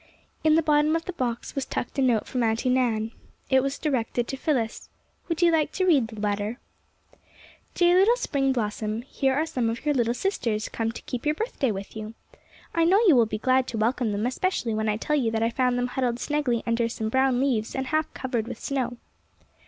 In the bottom of the box was tucked a note from Auntie Nan. It was directed to Phyllis. Would you like to read the letter? '^ Dear little Spring Blossom: — Here are some of your little sisters come to keep your birthday with you. I know you will be glad to welcome them, especially when I tell you FROM UNDER THE PINES 49 that I found them huddled snugly under some brown leaves and half covered with snow.